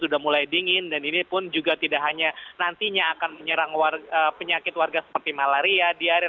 diepun juga tidak hanya nantinya akan menyerang warna penyakit warga seperti malaria di air